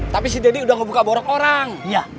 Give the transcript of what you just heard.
tapi si deddy udah ngebuka borok orang